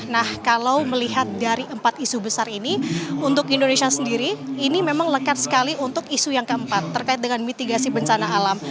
nah kalau melihat dari empat isu besar ini untuk indonesia sendiri ini memang lekat sekali untuk isu yang keempat terkait dengan mitigasi bencana alam